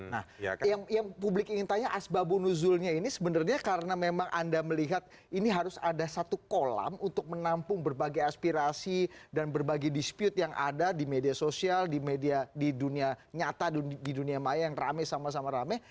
nah yang publik ingin tanya asbabunuzulnya ini sebenarnya karena memang anda melihat ini harus ada satu kolam untuk menampung berbagai aspirasi dan berbagi dispute yang ada di media sosial di media di dunia nyata di dunia maya yang rame sama sama rame